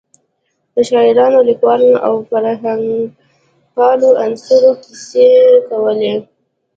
د شاعرانو، لیکوالو او فرهنګپالو عناصرو کیسې کولې.